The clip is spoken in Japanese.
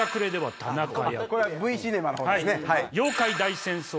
これはＶシネマの方ですね。